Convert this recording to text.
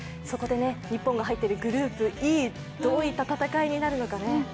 そこで日本が入っているグループＥ、どういった戦いになるのかね。